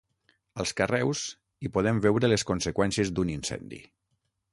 Als carreus hi podem veure les conseqüències d'un incendi.